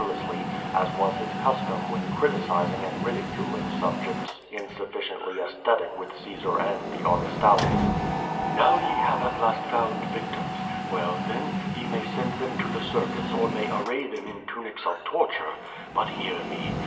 359 lessly, as was his custom when criticizing and ridiculing sub jects insufficiently aesthetic with Caesar and the Augustales. "Now ye have at la&t found victims! Well, then, ye may send them to the circus or may array them in tunics of tor ture. But hear me.